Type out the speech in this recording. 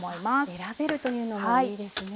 選べるというのもいいですね。